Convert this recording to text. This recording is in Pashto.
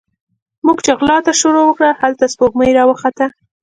موږ چې غلا ته شروع وکړه، هلته سپوږمۍ راوخته